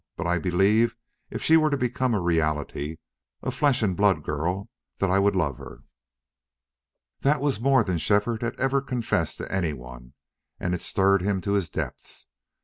But I believe if she were to become a reality a flesh and blood girl that I would love her." That was more than Shefford had ever confessed to any one, and it stirred him to his depths.